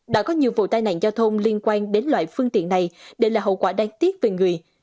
đã có nhiều vụ tai nạn giao thông liên quan đến loại phương tiện này để là hậu quả đáng tiếc về người